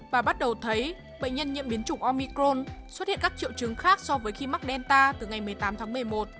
và bắt đầu thấy bệnh nhân nhiễm biến chủng omicron xuất hiện các triệu chứng khác so với khi mắc delta từ ngày một mươi tám tháng một mươi một